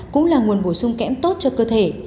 cũng là nguồn bổ sung kẽm tốt cho cơ thể